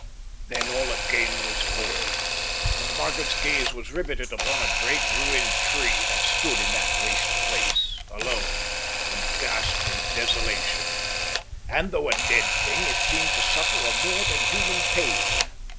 Then all again was void; and Margaret's gaze was riveted upon a great, ruined tree that stood in that waste place, alone, in ghastly desolation; and though a dead thing, it seemed to suffer a more than human pain.